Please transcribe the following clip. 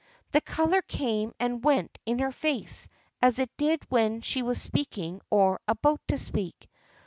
The color came and went in her face as it did when she was speaking or about to speak.